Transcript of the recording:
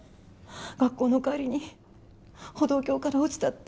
学校の帰りに歩道橋から落ちたって。